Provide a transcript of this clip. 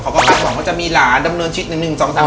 ขอบคุณค่ะหวังว่าจะมีหลานดำเนินชิด๑๒๓๔๕๖๗ใช่ค่ะ